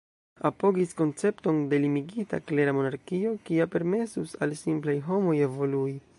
Apogis koncepton de limigita, klera monarkio, kia permesus al simplaj homoj evolui.